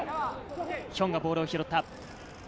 ヒョンがボールを拾った。